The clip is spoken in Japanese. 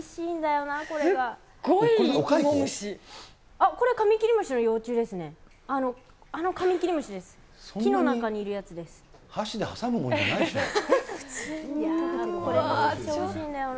あっ、これ、カミキリムシの幼虫ですね。